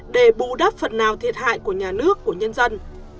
để bù đắp phần nào thiệt hại của nhà nước của nhân dân